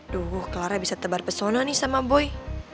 duh clara bisa tebar pesona nih sama boy